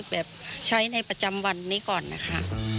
แบบใช้ในประจำวันนี้ก่อนนะคะ